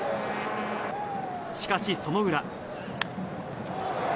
しかしその裏。